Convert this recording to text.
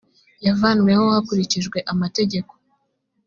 yavanweho bakurikije amategeko.